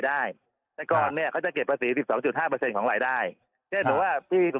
ได้แต่ก่อนเนี้ยเขาจะเก็บภาษีสำคัญของรายได้เช่นหรือว่าที่สุด